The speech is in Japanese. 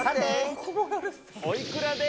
おいくらで？